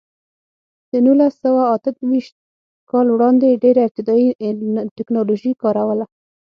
د نولس سوه اته ویشت کال وړاندې ډېره ابتدايي ټکنالوژي کار وله.